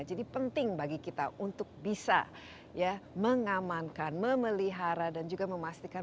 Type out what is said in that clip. jadi penting bagi kita untuk bisa mengamankan memelihara dan juga memastikan